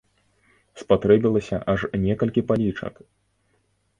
Спатрэбілася аж некалькі палічак!